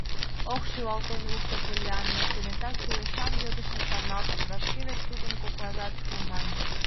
— Ох, — шӱлалтен лукто Поллианна, кенета кӱлешан йодышым шарналтыш, вашке вет тудым кокажлан пуыман.